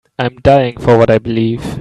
I'm dying for what I believe.